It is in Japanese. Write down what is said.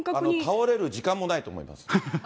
倒れる時間もないと思います。